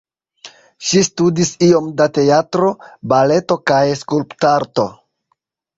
Ŝi studis iom da teatro, baleto kaj skulptarto.